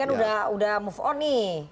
kan udah move on nih